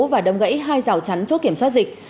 và đâm gãy hai rào chắn chốt kiểm soát dịch